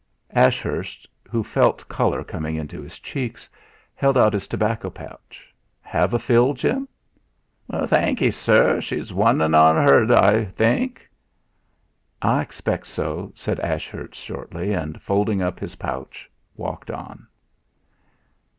Ashurst, who felt colour coming into his cheeks, held out his tobacco pouch. "Have a fill, Jim?" "Thank 'ee, sir. She'm one in an 'underd, I think." "I expect so," said Ashurst shortly, and folding up his pouch, walked on.